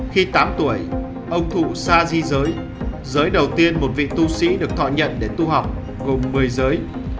khi tám tuổi ông thụ xa di giới giới đầu tiên một vị tu sĩ được thọ nhận để tu học gồm một mươi giới